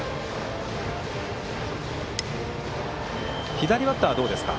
左バッターはどうですか？